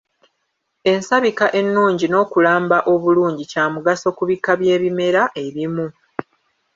Ensabika ennungi n’okulamba obulungi kyamugaso ku bika by’ebimera ebimu.